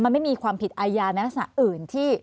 มันไม่มีความผิดอาญาในลักษณะอื่นที่